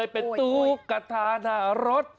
เป็นตุ๊กทาหน้ารถ